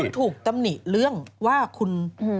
แล้วคุณถูกตำหนิเรื่องว่าคุณ